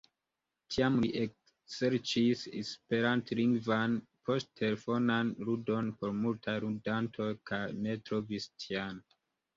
Tiam li ekserĉis esperantlingvan poŝtelefonan ludon por multaj ludantoj, kaj ne trovis tian.